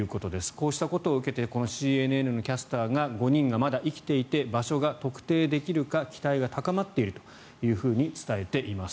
こうしたことを受けてＣＮＮのキャスターが５人がまだ生きていて場所が特定できるか期待が高まっているというふうに伝えています。